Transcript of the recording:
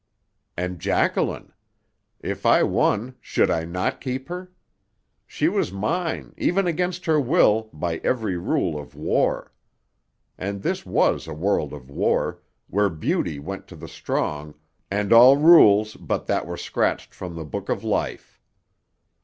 And Jacqueline! If I won, should I not keep her? She was mine, even against her will, by every rule of war. And this was a world of war, where beauty went to the strong, and all rules but that were scratched from the book of life.